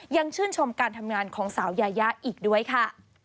ยังชื่นชมการทำงานของสาวยายาอีกด้วยค่ะ